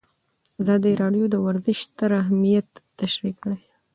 ازادي راډیو د ورزش ستر اهميت تشریح کړی.